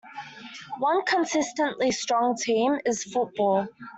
One consistently strong team is football.